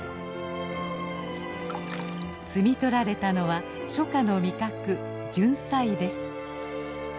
摘み取られたのは初夏の味覚「ジュンサイ」です。